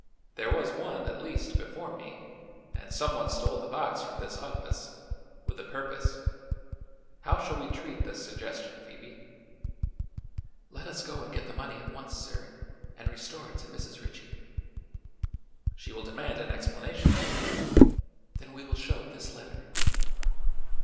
There was one, at least, before me, and some one stole the box from this office with a purpose. How shall we treat this suggestion, Phoebe?" "Let us go and get the money at once, sir, and restore it to Mrs. Ritchie." "She will demand an explanation." "Then we will show this letter."